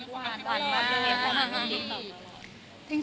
หวานมาก